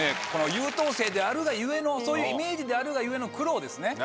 優等生であるが故のそういうイメージであるが故の苦労ですね。